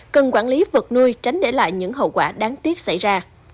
cần quản lý vật nuôi tránh để lại những hậu quả đáng tiếc xảy ra